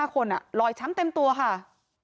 ๕คนรอยช้ำเต็มตัวค่ะ